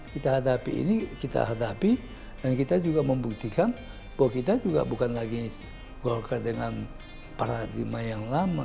kita hadapi ini kita hadapi dan kita juga membuktikan bahwa kita juga bukan lagi golkar dengan paradigma yang lama